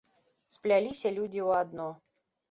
Спляліся людзі ў адно.